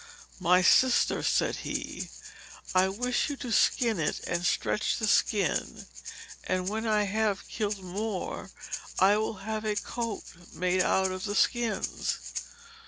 "My sister," said he, "I wish you to skin it and stretch the skin, and when I have killed more, I will have a coat made out of the skins."